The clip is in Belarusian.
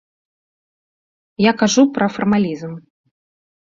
Я кажу пра фармалізм.